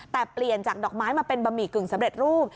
แต่เปลี่ยนจากดอกไม้มาเป็นบะหมี่กึ่งสำเร็จรูป